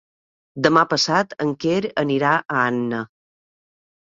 Demà passat en Quer anirà a Anna.